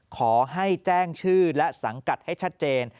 ขอให้แจ้งชื่อและสังกัดให้ชัดเจน